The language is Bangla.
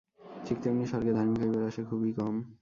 ঠিক তেমনি স্বর্গে ধার্মিক হইবার আশা খুবই কম।